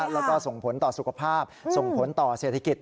แล้วก็ส่งผลต่อสุขภาพส่งผลต่อเศรษฐกิจ